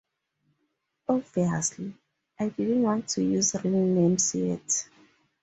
Obviously, I didn't want to use real names yet.